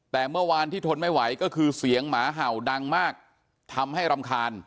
แต่เมื่อวานที่ทนไม่ไหวก็คือเสียงหมาเห่าดังมากทำให้รำคาญ